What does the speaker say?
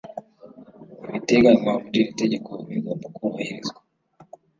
Ibiteganywa muri iri tegeko bigomba kubahirizwa